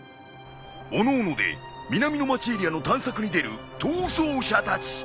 おのおので南の街エリアの探索に出る逃走者たち。